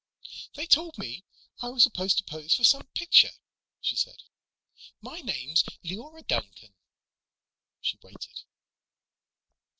"They told me I was supposed to pose for some picture," she said. "My name's Leora Duncan." She waited.